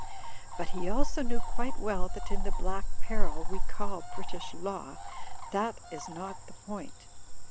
But he also knew quite well that in the black peril we call British law, that is not the point.